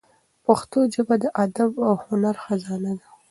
پښتو ژبه د ادب او هنر خزانه ده.